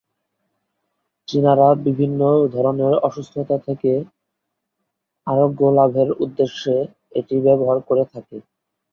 চীনারা বিভিন্ন ধরনের অসুস্থতা থেকে আরোগ্য লাভের উদ্দেশ্যে এটি ব্যবহার করে থাকে।